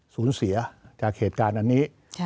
สูญเสียจากเหตุการณ์อันนี้